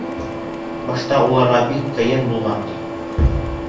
Башта уларға бик ҡыйын булған, ти.